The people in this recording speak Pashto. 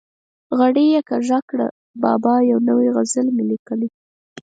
غړۍ یې کږه کړه: بابا یو نوی غزل مې لیکلی.